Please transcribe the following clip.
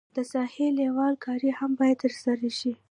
د ساحې لیول کاري هم باید ترسره شي